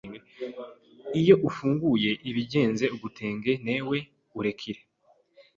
iyo ufunguye ibigenze ugetenge newe urekire